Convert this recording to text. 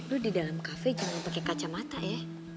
lo di dalam cafe jangan pake kacamata ya